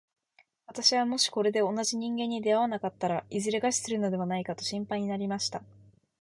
私はもしこれで同じ人間に出会わなかったら、いずれ餓死するのではないかと心配になりました。